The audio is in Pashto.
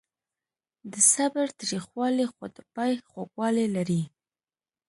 د صبر تریخوالی خو د پای خوږوالی لري.